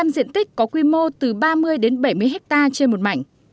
một diện tích có quy mô từ ba mươi đến ba mươi